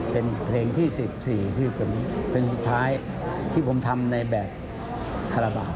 เป็นเพลงที่๑๔คือเพลงสุดท้ายที่ผมทำในแบบคาราบาล